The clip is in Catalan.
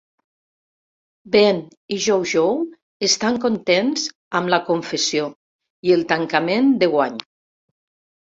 Ben i Jojo estan contents amb la confessió i el tancament de guany.